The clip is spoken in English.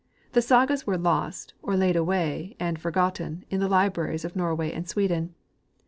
The sagas were lost, or laid away and for gotten in the libraries of Norway and Sweden.